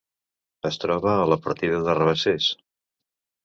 Es troba a la partida de Rabassers.